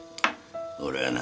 俺はな